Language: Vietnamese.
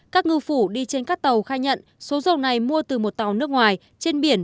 các ngư phủ đi trên các tàu khai nhận số dầu này mua từ một tàu nước ngoài trên biển